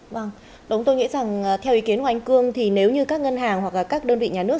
vâng đúng tôi nghĩ rằng theo ý kiến của anh cương thì nếu như các ngân hàng hoặc là các đơn vị nhà nước